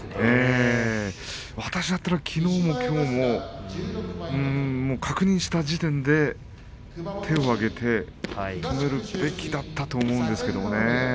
私だったら、きのうもきょうも確認した時点で手を上げて相撲を止めるべきだったと思いますけどね。